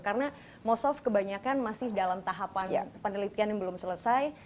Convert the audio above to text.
karena most off kebanyakan masih dalam tahapan penelitian yang belum selesai